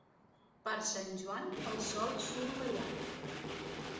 Per Sant Joan el sol surt ballant.